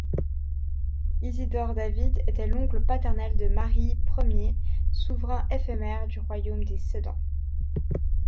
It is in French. Isidore David était l'oncle paternel de Marie Ier souverain éphémère du royaume des Sedangs.